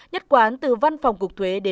nhất quán từ văn phòng cục thuế thủ đô